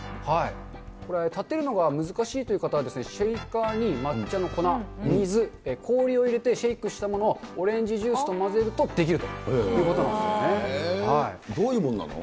これ、たてるのが難しいという方は、シェイカーに抹茶の粉、水、氷を入れてシェイクしたものをオレンジジュースと混ぜると出来るどういうものなの？